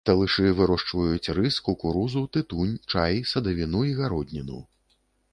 Талышы вырошчваюць рыс, кукурузу, тытунь, чай, садавіну і гародніну.